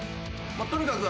とにかく。